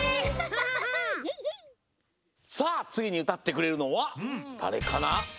さあつぎにうたってくれるのはだれかな？